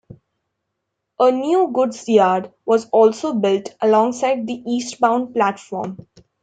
A new goods yard was also built alongside the eastbound platform.